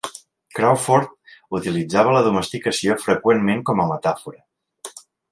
Crawfurd utilitzava la domesticació freqüentment com a metàfora.